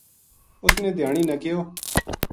اس نے دھیانی نا کہیو